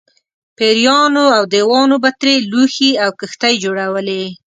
پېریانو او دیوانو به ترې لوښي او کښتۍ جوړولې.